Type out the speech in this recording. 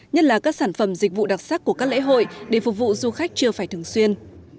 nhất là các sản phẩm dịch vụ đặc sắc của các lễ hội để phục vụ du khách chưa phải thường xuyên